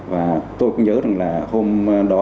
và tôi cũng nhớ rằng là hôm đó